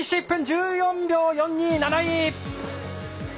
１分１４秒４２、７位！